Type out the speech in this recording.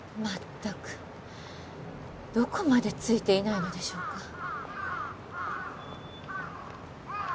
まったくどこまでツイていないのでしょうか